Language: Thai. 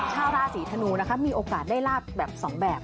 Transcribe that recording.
ชาวราศีธนูมีโอกาสได้ลาบแบบสองแบบ